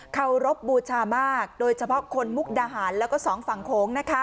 เคารพบูชามากโดยเฉพาะคนมุกดาหารแล้วก็สองฝั่งโขง